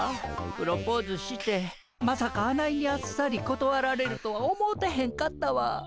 プロポーズしてまさかあないにあっさりことわられるとは思うてへんかったわ。